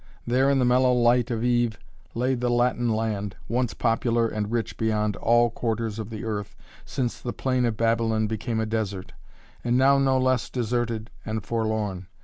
There in the mellow light of eve, lay the Latin land, once popular and rich beyond all quarters of the earth since the plain of Babylon became a desert, and now no less deserted and forlorn.